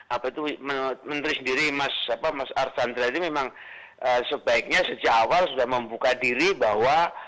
apa itu menteri sendiri mas arsandra ini memang sebaiknya sejak awal sudah membuka diri bahwa